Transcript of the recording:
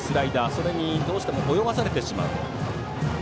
それにどうしても泳がされてしまうと。